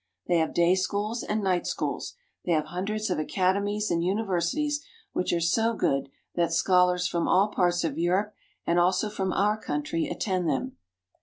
They have day schools and night schools ; they have hundreds of academies and universities, which are so good that scholars from all parts of Europe and also from our country attend them.